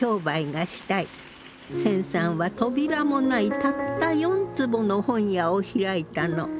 銭さんは扉もないたった４坪の本屋を開いたの。